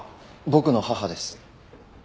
僕の母です。